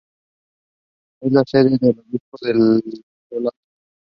Es la sede del obispado de Solsona.